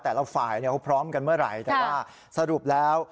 แต่ละฝ่ายเขาพร้อมกันเมื่อไหร่แต่ว่าสรุปแล้ว